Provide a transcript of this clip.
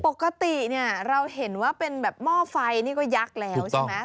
ปกติเนี่ยเราเห็นว่าเป็นแบบหม้อไฟนี่ก็ยักษ์แล้วใช่ไหม